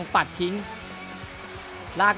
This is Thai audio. สวัสดีครับ